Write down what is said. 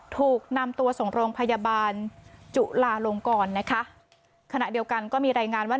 ถูกนำตัวส่งโรงพยาบาลจุลาลงกรนะคะขณะเดียวกันก็มีรายงานว่า